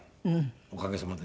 おかげさまで。